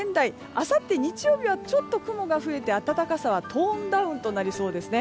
あさって日曜日はちょっと雲が増えて暖かさはトーンダウンとなりそうです。